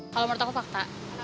kalau menurut aku fakta